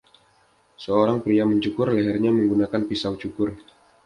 Seorang pria mencukur lehernya menggunakan pisau cukur.